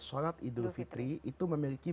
sholat idul fitri itu memiliki